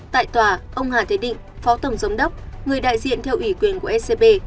tại tòa ông hà thế định phó tổng giám đốc người đại diện theo ủy quyền của scb